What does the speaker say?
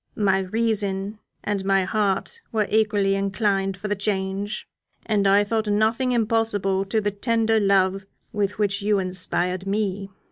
My reason and my heart were equally inclined for the change, and I thought nothing impossible to the tender love with which you inspired me.